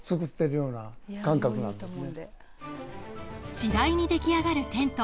次第に出来上がるテント。